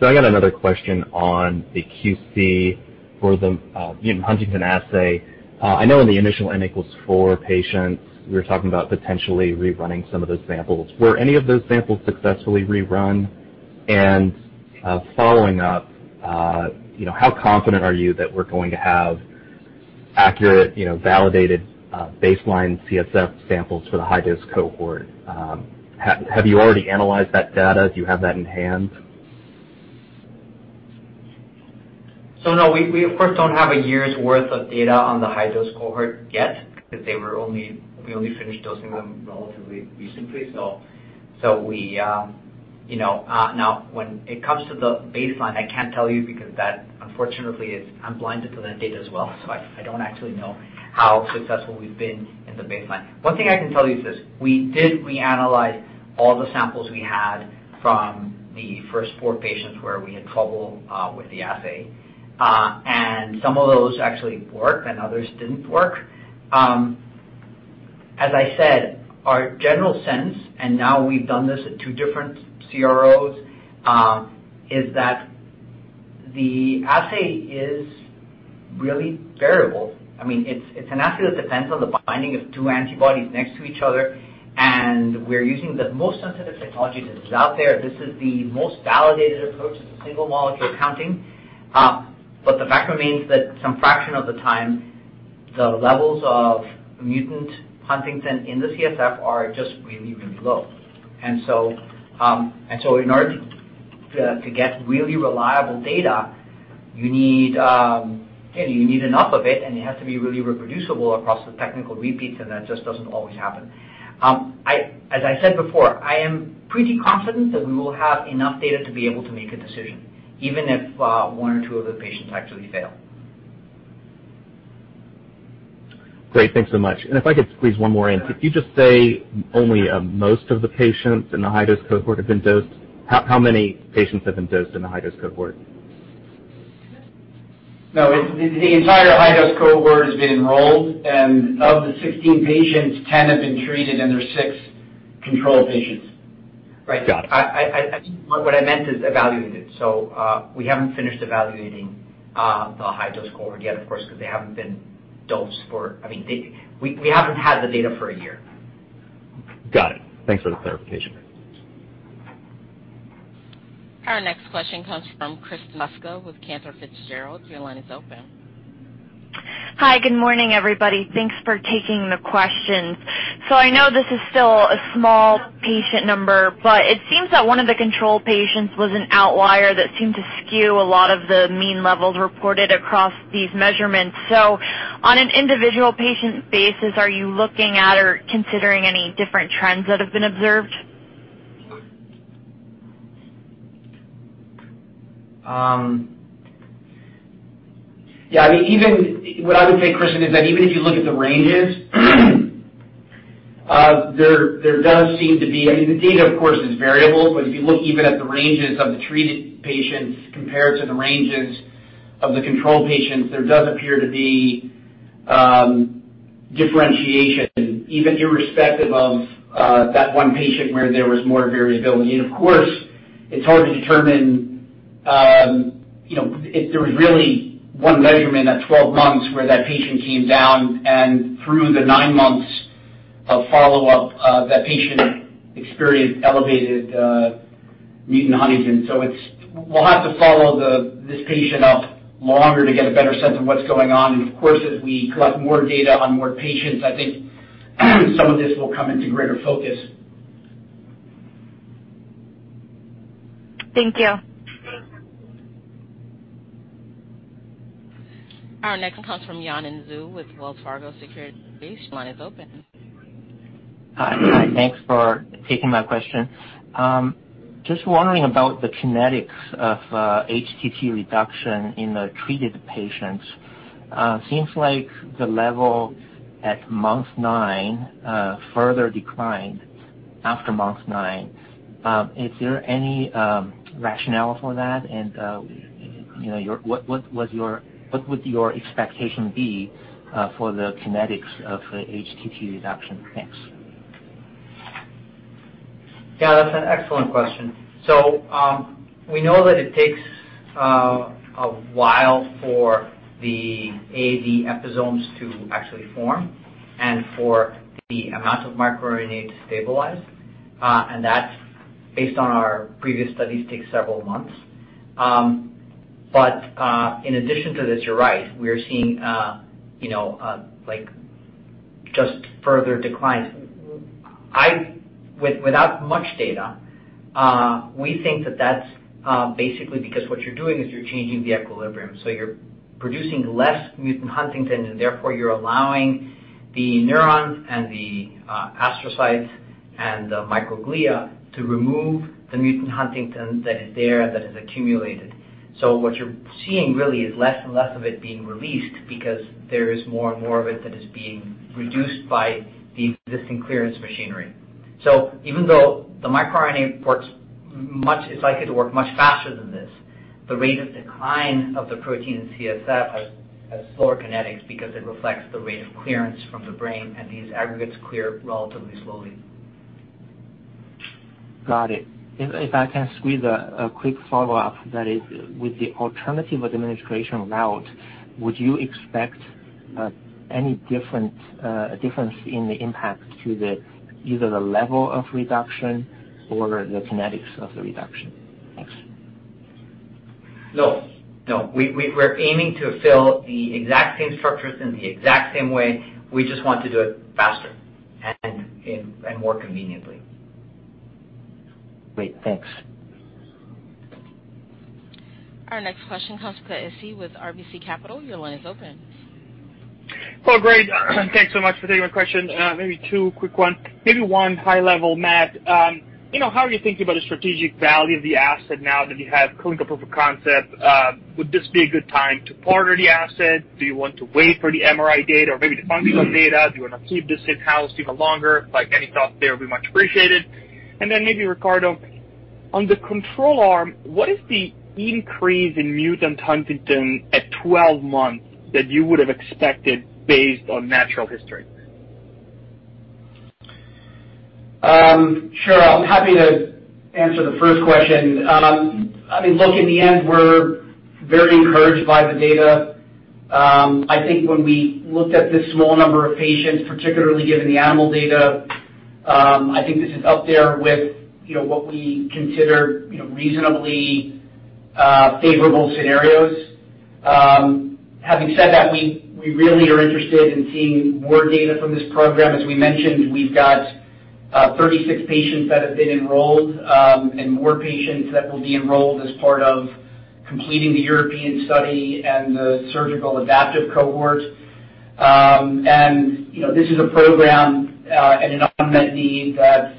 So I got another question on the QC for the mutant huntingtin assay. I know in the initial N=4 patients, we were talking about potentially rerunning some of those samples. Were any of those samples successfully rerun? And following up, you know, how confident are you that we're going to have accurate, you know, validated baseline CSF samples for the high-dose cohort? Have you already analyzed that data? Do you have that in hand? No, we of course don't have a year's worth of data on the high-dose cohort yet because we only finished dosing them relatively recently. You know, now when it comes to the baseline, I can't tell you because I'm blinded to that data as well. I don't actually know how successful we've been in the baseline. One thing I can tell you is this. We did reanalyze all the samples we had from the first four patients where we had trouble with the assay. And some of those actually worked and others didn't work. As I said, our general sense, and now we've done this at two different CROs, is that the assay is really variable. I mean, it's an assay that depends on the binding of two antibodies next to each other, and we're using the most sensitive technology that's out there. This is the most validated approach to single molecule counting. The fact remains that some fraction of the time, the levels of mutant huntingtin in the CSF are just really, really low. In order to get really reliable data, you need enough of it again, and it has to be really reproducible across the technical repeats, and that just doesn't always happen. As I said before, I am pretty confident that we will have enough data to be able to make a decision, even if one or two of the patients actually fail. Great. Thanks so much. If I could squeeze one more in. If you just say only, most of the patients in the high-dose cohort have been dosed, how many patients have been dosed in the high-dose cohort? No, it- The entire high-dose cohort has been enrolled, and of the 16 patients, 10 have been treated, and there's six control patients. Right. Got it. I think what I meant is evaluated. We haven't finished evaluating the high-dose cohort yet, of course, I mean, we haven't had the data for a year. Got it. Thanks for the clarification. Our next question comes from Kristen Kluska with Cantor Fitzgerald. Your line is open. Hi. Good morning, everybody. Thanks for taking the questions. I know this is still a small patient number, but it seems that one of the control patients was an outlier that seemed to skew a lot of the mean levels reported across these measurements. On an individual patient basis, are you looking at or considering any different trends that have been observed? Yeah, I mean, even what I would say, Kristen, is that even if you look at the ranges, there does seem to be. I mean, the data, of course, is variable, but if you look even at the ranges of the treated patients compared to the ranges of the control patients, there does appear to be differentiation, even irrespective of that one patient where there was more variability. Of course, it's hard to determine, you know, if there was really one measurement at 12-months where that patient came down and through the nine months of follow-up, that patient experienced elevated mutant huntingtin. We'll have to follow this patient up longer to get a better sense of what's going on. Of course, as we collect more data on more patients, I think some of this will come into greater focus. Thank you. Our next comes from Yanan Zhu with Wells Fargo Securities. Your line is open. Hi. Thanks for taking my question. Just wondering about the kinetics of HTT reduction in the treated patients. Seems like the level at month nine further declined after month nine. Is there any rationale for that? You know, what would your expectation be for the kinetics of the HTT reduction? Thanks. Yeah, that's an excellent question. We know that it takes a while for the AAV episomes to actually form and for the amount of microRNA to stabilize, and that, based on our previous studies, takes several months. In addition to this, you're right, we're seeing you know, like, just further declines. Without much data, we think that that's basically because what you're doing is you're changing the equilibrium, so you're producing less mutant huntingtin, and therefore you're allowing the neurons and the astrocytes and the microglia to remove the mutant huntingtin that is there, that has accumulated. What you're seeing really is less and less of it being released because there is more and more of it that is being reduced by the existing clearance machinery. Even though the microRNA works much. It's likely to work much faster than this, the rate of decline of the protein in CSF has slower kinetics because it reflects the rate of clearance from the brain, and these aggregates clear relatively slowly. Got it. If I can squeeze a quick follow-up, that is, with the alternative administration route, would you expect any different difference in the impact to the either the level of reduction or the kinetics of the reduction? Thanks. No. We're aiming to fill the exact same structures in the exact same way. We just want to do it faster and more conveniently. Great. Thanks. Our next question comes from Luca Issi with RBC Capital Markets. Your line is open. Well, great. Thanks so much for taking my question. Maybe two quick ones. Maybe one high level, Matt. You know, how are you thinking about the strategic value of the asset now that you have clinical proof of concept? Would this be a good time to partner the asset? Do you want to wait for the MRI data or maybe the funding of data? Do you wanna keep this in-house even longer? Like, any thought there would be much appreciated. Maybe, Ricardo, on the control arm, what is the increase in huntingtin at 12-months that you would have expected based on natural history? Sure. I'm happy to answer the first question. I mean, look, in the end, we're very encouraged by the data. I think when we looked at this small number of patients, particularly given the animal data, I think this is up there with, you know, what we consider, you know, reasonably, favorable scenarios. Having said that, we really are interested in seeing more data from this program. As we mentioned, we've got, 36 patients that have been enrolled, and more patients that will be enrolled as part of completing the European study and the surgical adaptive cohort. You know, this is a program, and an unmet need that,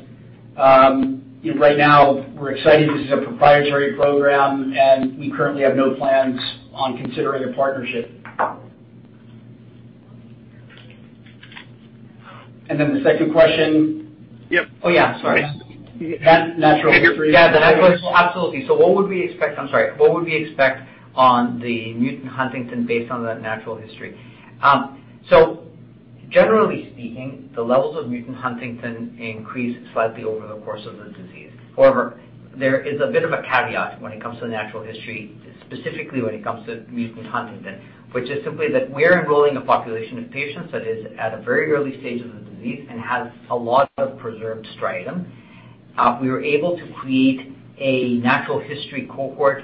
right now we're excited this is a proprietary program, and we currently have no plans on considering a partnership. The second question. Yep. Oh, yeah. Sorry. That natural history. What would we expect on the mutant huntingtin based on the natural history? Generally speaking, the levels of mutant huntingtin increase slightly over the course of the disease. However, there is a bit of a caveat when it comes to natural history, specifically when it comes to mutant huntingtin, which is simply that we're enrolling a population of patients that is at a very early stage of the disease and has a lot of preserved striatum. We were able to create a natural history cohort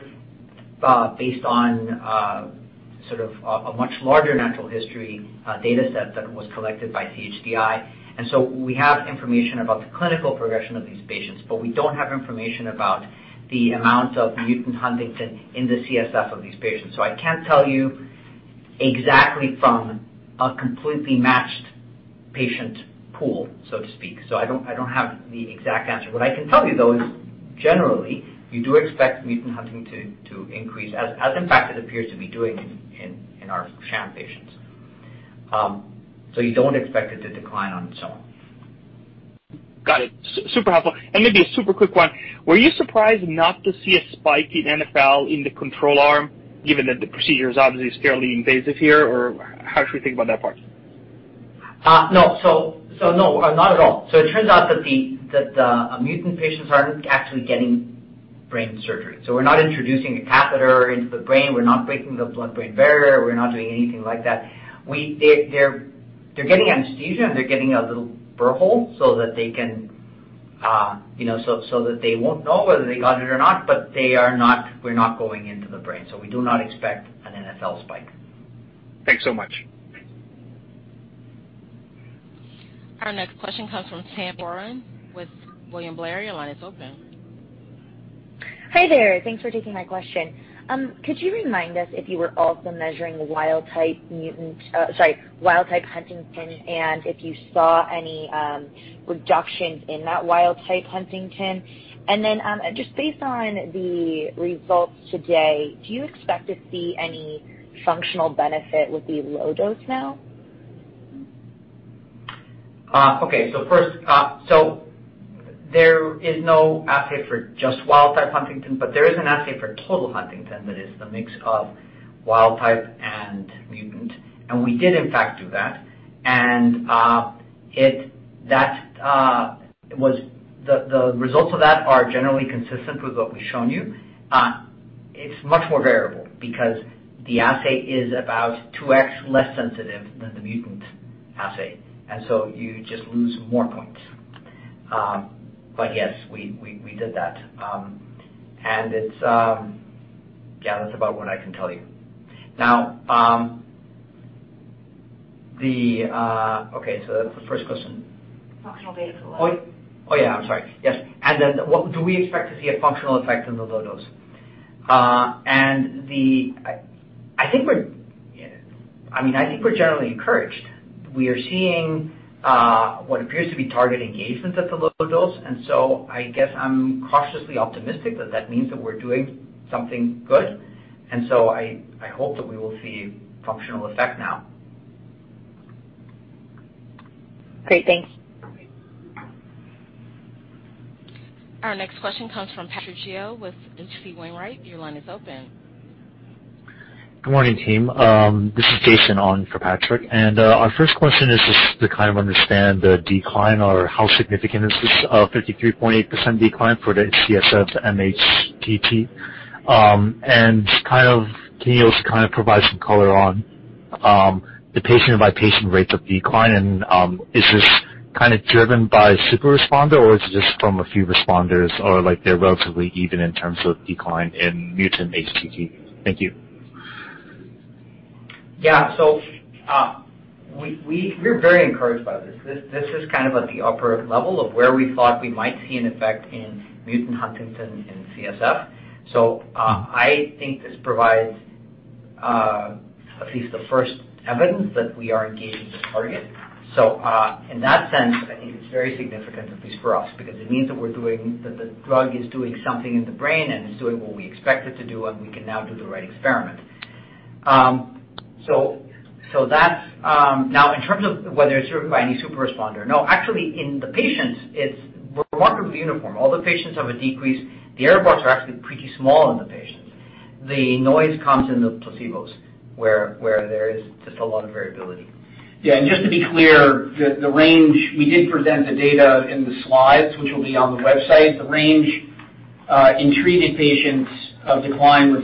based on sort of a much larger natural history data set that was collected by CHDI. We have information about the clinical progression of these patients, but we don't have information about the amount of mutant huntingtin in the CSF of these patients. I can't tell you exactly from a completely matched patient pool, so to speak. I don't have the exact answer. What I can tell you, though, is generally, you do expect mutant huntingtin to increase as in fact it appears to be doing in our sham patients. You don't expect it to decline on its own. Got it. Super helpful. Maybe a super quick one. Were you surprised not to see a spike in NfL in the control arm, given that the procedure is obviously fairly invasive here? Or how should we think about that part? No, not at all. It turns out that the mutant patients aren't actually getting brain surgery. We're not introducing a catheter into the brain. We're not breaking the blood-brain barrier. We're not doing anything like that. They're getting anesthesia, and they're getting a little burr hole so that they can, you know, so that they won't know whether they got it or not, but they are not. We're not going into the brain, so we do not expect an NfL spike. Thanks so much. Our next question comes from Sami Corwin with William Blair. Your line is open. Hi there. Thanks for taking my question. Could you remind us if you were also measuring wild type huntingtin, and if you saw any reductions in that wild type huntingtin? Just based on the results today, do you expect to see any functional benefit with the low dose now? There is no assay for just wild type huntingtin, but there is an assay for total huntingtin that is the mix of wild type and mutant. We did in fact do that. The results of that are generally consistent with what we've shown you. It's much more variable because the assay is about 2x less sensitive than the mutant assay, and so you just lose more points. Yes, we did that. Yeah, that's about what I can tell you. The first question. Functional data for low. Yeah, I'm sorry. Yes. What do we expect to see a functional effect in the low dose? I mean, I think we're generally encouraged. We are seeing what appears to be target engagement at the low dose, and so I guess I'm cautiously optimistic that that means that we're doing something good. I hope that we will see functional effect now. Great. Thanks. Our next question comes from Patrick Trucchio with H.C. Wainwright. Your line is open. Good morning, team. This is Jason on for Patrick. Our first question is just to kind of understand the decline or how significant is this 53.8% decline for the CSF mHTT. Kind of, can you also kind of provide some color on the patient-by-patient rates of decline? Is this kind of driven by a super responder or is it just from a few responders or like they're relatively even in terms of decline in mutant HTT? Thank you. Yeah. We're very encouraged by this. This is kind of at the upper level of where we thought we might see an effect in mutant huntingtin in CSF. I think this provides at least the first evidence that we are engaging the target. In that sense, I think it's very significant, at least for us, because it means that the drug is doing something in the brain and is doing what we expect it to do, and we can now do the right experiment. That's-- Now in terms of whether it's driven by any super responder. No, actually in the patients it's remarkably uniform. All the patients have a decrease. The error bars are actually pretty small in the patients. The noise comes in the placebos where there is just a lot of variability. Yeah. Just to be clear, the range. We did present the data in the slides, which will be on the website. The range in treated patients of decline was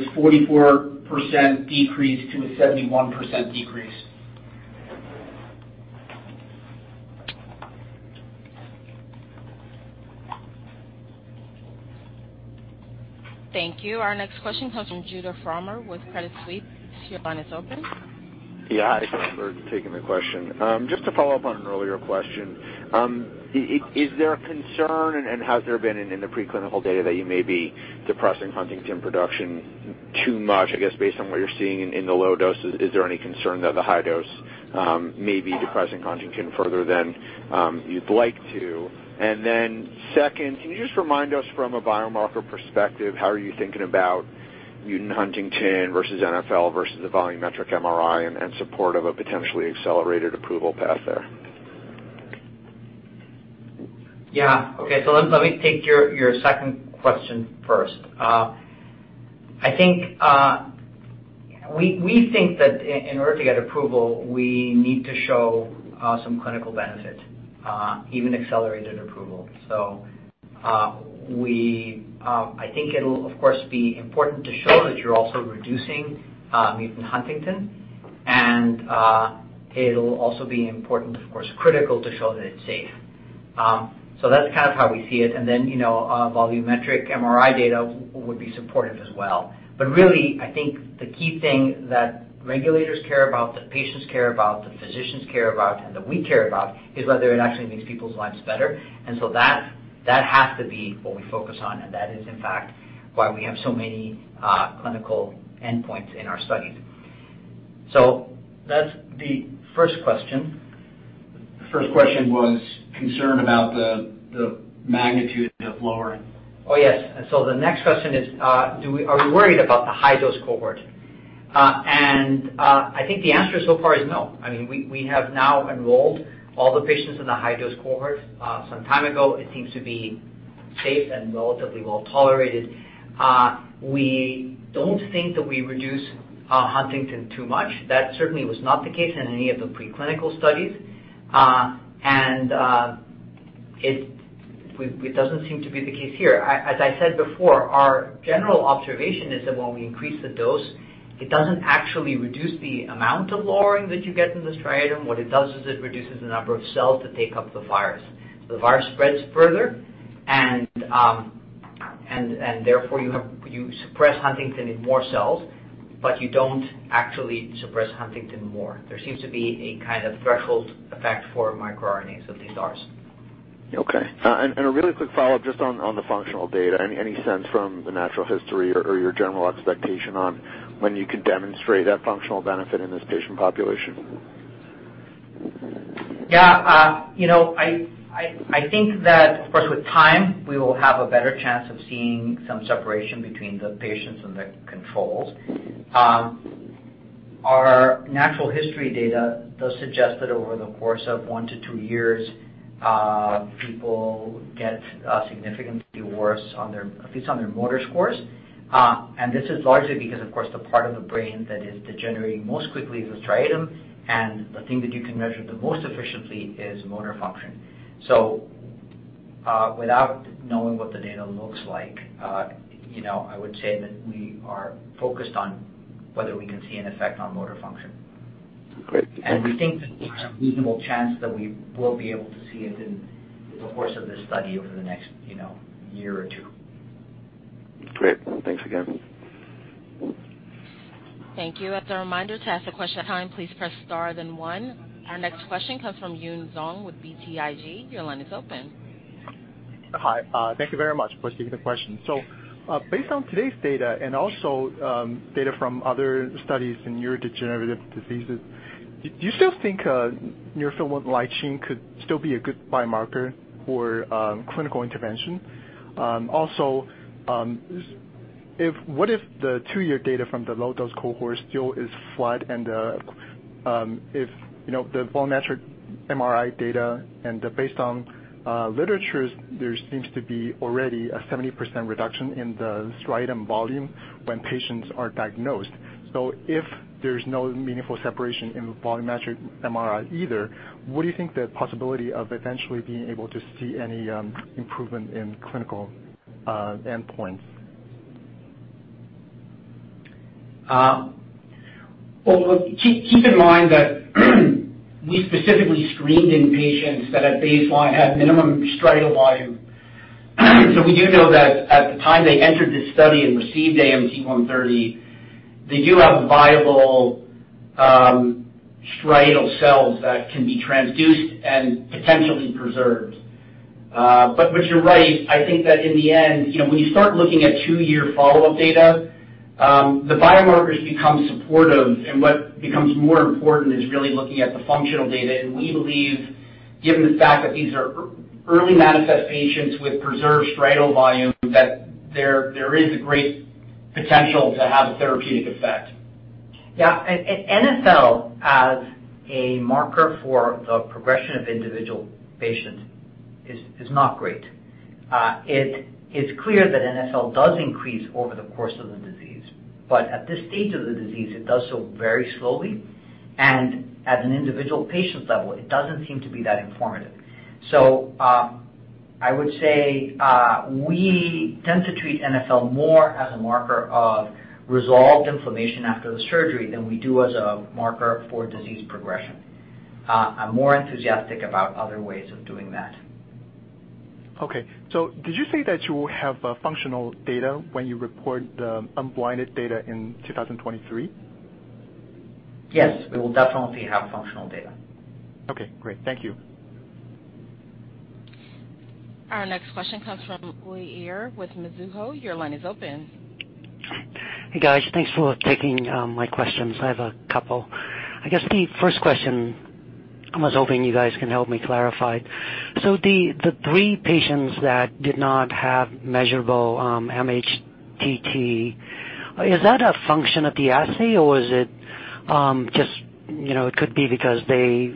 44%-71% decrease. Thank you. Our next question comes from Judah Frommer with Credit Suisse. Your line is open. Yeah. Thanks for taking the question. Just to follow up on an earlier question, is there a concern and has there been in the preclinical data that you may be depressing huntingtin production too much? I guess based on what you're seeing in the low dose, is there any concern that the high dose may be depressing huntingtin further than you'd like to? Then second, can you just remind us from a biomarker perspective, how are you thinking about mutant huntingtin versus NfL versus a volumetric MRI and support of a potentially accelerated approval path there? Yeah. Okay. Let me take your second question first. I think we think that in order to get approval, we need to show some clinical benefit, even accelerated approval. I think it'll of course be important to show that you're also reducing mutant huntingtin. It'll also be important, of course, critical to show that it's safe. That's kind of how we see it. You know, a volumetric MRI data would be supportive as well. Really, I think the key thing that regulators care about, the patients care about, the physicians care about, and that we care about is whether it actually makes people's lives better. That has to be what we focus on, and that is, in fact, why we have so many clinical endpoints in our studies. That's the first question. The first question was concern about the magnitude of lowering. Oh, yes. The next question is, are we worried about the high-dose cohort? I think the answer so far is no. I mean, we have now enrolled all the patients in the high-dose cohort some time ago. It seems to be safe and relatively well-tolerated. We don't think that we reduce huntingtin too much. That certainly was not the case in any of the preclinical studies. It doesn't seem to be the case here. As I said before, our general observation is that when we increase the dose, it doesn't actually reduce the amount of lowering that you get in the striatum. What it does is it reduces the number of cells that take up the virus. The virus spreads further and therefore you suppress huntingtin in more cells, but you don't actually suppress huntingtin more. There seems to be a kind of threshold effect for microRNAs, at least ours. Okay. A really quick follow-up just on the functional data. Any sense from the natural history or your general expectation on when you can demonstrate that functional benefit in this patient population? Yeah. You know, I think that, of course, with time, we will have a better chance of seeing some separation between the patients and the controls. Our natural history data does suggest that over the course of one to two years, people get significantly worse, at least on their motor scores. This is largely because, of course, the part of the brain that is degenerating most quickly is the striatum, and the thing that you can measure the most efficiently is motor function. Without knowing what the data looks like, you know, I would say that we are focused on whether we can see an effect on motor function. Great. We think there's a reasonable chance that we will be able to see it in the course of this study over the next, you know, year or two. Great. Thanks again. Thank you. As a reminder to ask a question at the time, please press star then one. Our next question comes from Yun Zhong with BTIG. Your line is open. Hi. Thank you very much for taking the question. Based on today's data and also, data from other studies in neurodegenerative diseases, do you still think neurofilament light chain could still be a good biomarker for clinical intervention? Also, what if the two-year data from the low-dose cohort still is flat and, if you know, the volumetric MRI data and based on literature, there seems to be already a 70% reduction in the striatum volume when patients are diagnosed. If there's no meaningful separation in the volumetric MRI either, what do you think the possibility of eventually being able to see any improvement in clinical endpoints? Well keep in mind that we specifically screened in patients that at baseline had minimum striatal volume. We do know that at the time they entered this study and received AMT-130, they do have viable striatal cells that can be transduced and potentially preserved. But you're right. I think that in the end, you know, when you start looking at two-year follow-up data, the biomarkers become supportive, and what becomes more important is really looking at the functional data. We believe, given the fact that these are early manifestations with preserved striatal volume, that there is a great potential to have a therapeutic effect. Yeah. NfL as a marker for the progression of individual patient is not great. It is clear that NfL does increase over the course of the disease. At this stage of the disease, it does so very slowly, and at an individual patient level, it doesn't seem to be that informative. I would say, we tend to treat NfL more as a marker of resolved inflammation after the surgery than we do as a marker for disease progression. I'm more enthusiastic about other ways of doing that. Okay. Did you say that you will have functional data when you report the unblinded data in 2023? Yes. We will definitely have functional data. Okay, great. Thank you. Our next question comes from [inaudible] with Mizuho. Your line is open. Hey, guys. Thanks for taking my questions. I have a couple. I guess the first question I was hoping you guys can help me clarify. So the three patients that did not have measurable mHTT, is that a function of the assay, or is it just, you know, it could be because they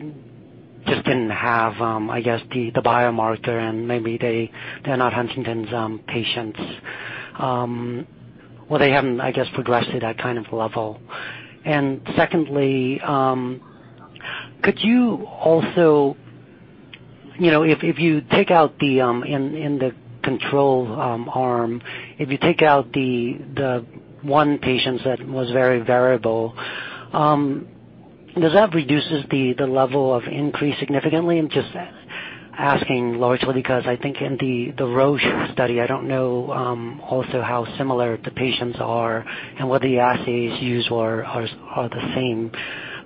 just didn't have I guess the biomarker and maybe they they're not Huntington's patients or they haven't I guess progressed to that kind of level. Secondly, could you also you know if you take out the in the control arm if you take out the one patient that was very variable does that reduces the level of increase significantly? I'm just asking largely because I think in the Roche study, I don't know, also how similar the patients are and what the assays used are the same.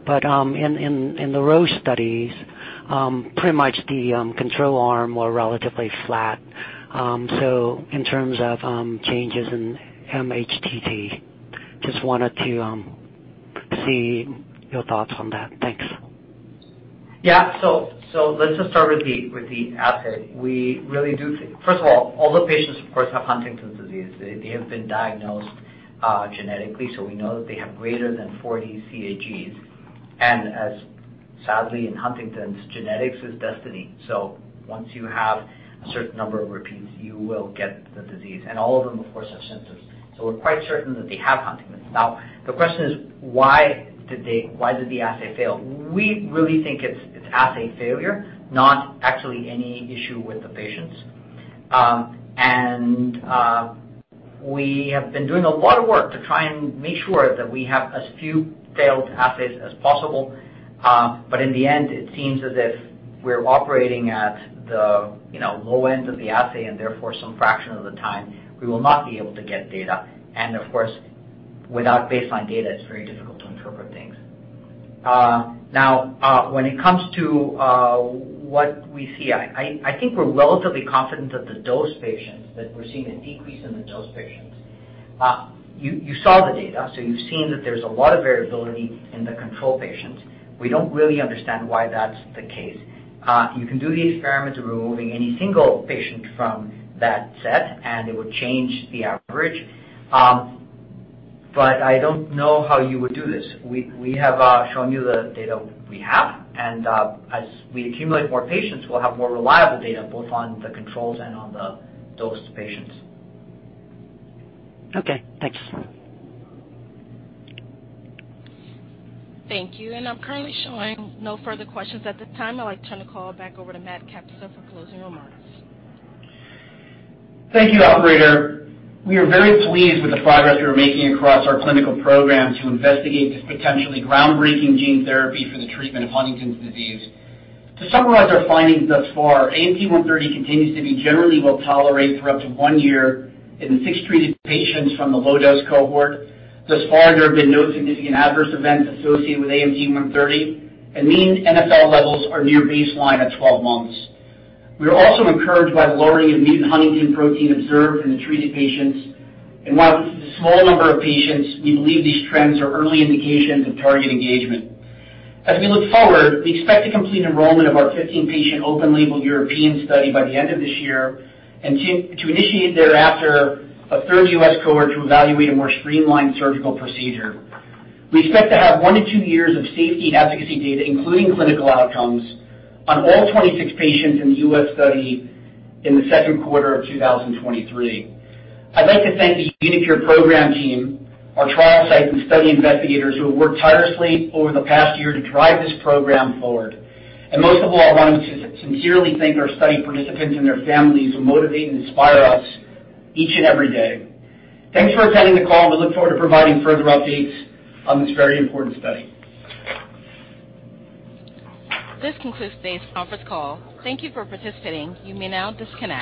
In the Roche studies, pretty much the control arm were relatively flat, so in terms of changes in mHTT. Just wanted to see your thoughts on that. Thanks. Let's just start with the assay. We really do think. First of all the patients, of course, have Huntington's disease. They have been diagnosed genetically, so we know that they have greater than 40 CAGs. As sadly in Huntington's, genetics is destiny. Once you have a certain number of repeats, you will get the disease. All of them, of course, have symptoms. We're quite certain that they have Huntington's. Now, the question is why did the assay fail? We really think it's assay failure, not actually any issue with the patients. We have been doing a lot of work to try and make sure that we have as few failed assays as possible. In the end, it seems as if we're operating at the, you know, low end of the assay, and therefore some fraction of the time we will not be able to get data. Of course, without baseline data, it's very difficult to interpret things. When it comes to what we see, I think we're relatively confident that we're seeing a decrease in the dosed patients. You saw the data, so you've seen that there's a lot of variability in the control patients. We don't really understand why that's the case. You can do the experiments removing any single patient from that set, and it would change the average. I don't know how you would do this. We have shown you the data we have, and as we accumulate more patients, we'll have more reliable data both on the controls and on the dosed patients. Okay. Thanks. Thank you. I'm currently showing no further questions at this time. I'd like to turn the call back over to Matt Kapusta for closing remarks. Thank you, operator. We are very pleased with the progress we are making across our clinical programs to investigate this potentially groundbreaking gene therapy for the treatment of Huntington's disease. To summarize our findings thus far, AMT-130 continues to be generally well tolerated for up to one year in the six treated patients from the low-dose cohort. Thus far, there have been no significant adverse events associated with AMT-130, and mean NfL levels are near baseline at 12-months. We are also encouraged by the lowering of mutant huntingtin protein observed in the treated patients. While this is a small number of patients, we believe these trends are early indications of target engagement. As we look forward, we expect to complete enrollment of our 15-patient open label European study by the end of this year and to initiate thereafter a third U.S. cohort to evaluate a more streamlined surgical procedure. We expect to have one to two years of safety and efficacy data, including clinical outcomes on all 26 patients in the U.S. study in the second quarter of 2023. I'd like to thank the HD-GeneTRX program team, our trial sites and study investigators who have worked tirelessly over the past year to drive this program forward. Most of all, I wanted to sincerely thank our study participants and their families who motivate and inspire us each and every day. Thanks for attending the call. We look forward to providing further updates on this very important study. This concludes today's conference call. Thank you for participating. You may now disconnect.